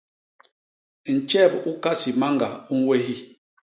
Ntjep u kasimañga u ñwéhi.